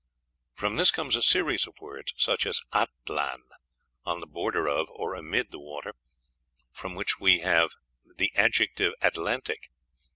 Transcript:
From this comes a series of words, such as atlan on the border of or amid the water from which we have the adjective Atlantic.